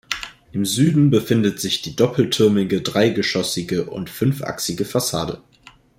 Im Süden befindet sich die doppeltürmige, dreigeschoßige und fünfachsige Fassade.